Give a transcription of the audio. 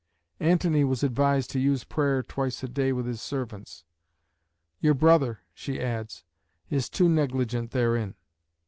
Antony was advised to use prayer twice a day with his servants. "Your brother," she adds, "is too negligent therein."